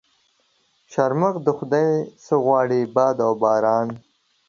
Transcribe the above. شرمښ د خدا يه څه غواړي ؟ باد و باران.